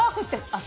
あっ！